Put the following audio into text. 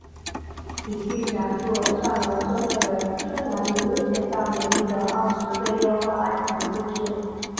此剧讲述上流社会的青春男女危险但美丽的二十岁诱惑爱情故事。